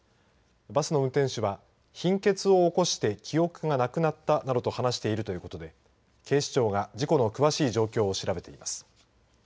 バスの運転手は貧血を起こして記憶がなくなったなどと話しているということで警視庁が事故の詳しい状況を調べています。